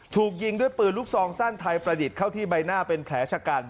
ถูกยิงด้วยปืนลูกซองสั้นไทยประดิษฐ์เข้าที่ใบหน้าเป็นแผลชะกัน